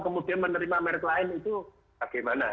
kemudian menerima merek lain itu bagaimana